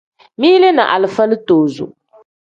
Mili ni alifa litozo.